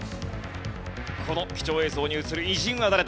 この貴重映像に映る偉人は誰だ？